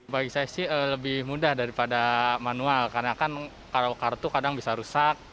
bagi saya sih lebih mudah daripada manual karena kan kalau kartu kadang bisa rusak